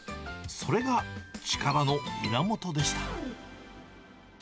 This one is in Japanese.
それが力の源でした。